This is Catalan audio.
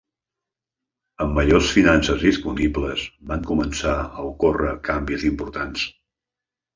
Amb majors finances disponibles, van començar a ocórrer canvis importants.